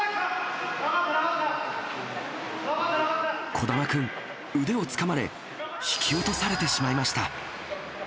児玉君、腕をつかまれ、引き落とされてしまいました。